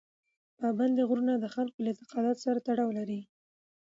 پابندي غرونه د خلکو له اعتقاداتو سره تړاو لري.